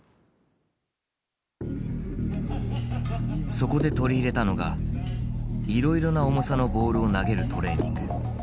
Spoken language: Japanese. そこで取り入れたのがいろいろな重さのボールを投げるトレーニング。